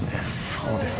そうですね